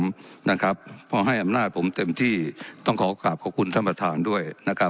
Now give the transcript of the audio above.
เพราะให้อำนาจผมเต็มที่ต้องขอโอกาสขอบขอบคุณท่านประธานด้วย